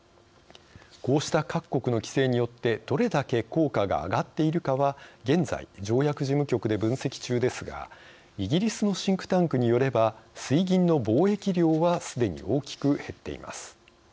こうした各国の規制によってどれだけ効果が上がっているかは現在、条約事務局で分析中ですがイギリスのシンクタンクによれば水銀の貿易量はすでに大きく減っています。